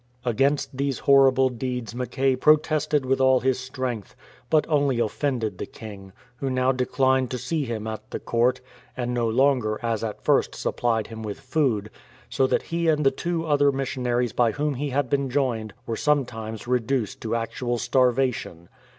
Against these horrible deeds Mackay protested with all his strength, but only offended the king, who now de clined to see him at the court, and no longer as at first supplied him with food, so that he and the two other missionaries by whom he had been joined were sometimes reduced to actual starvation.